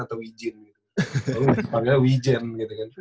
lalu dipanggilnya wijen gitu kan